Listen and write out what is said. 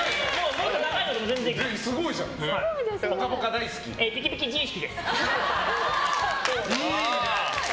もっと長いのでも全然いけます。